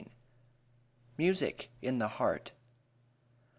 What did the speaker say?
MUSIC IN THE HEART.